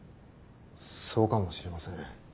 そうかもしれません。